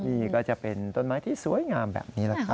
นี่ก็จะเป็นต้นไม้ที่สวยงามแบบนี้แหละครับ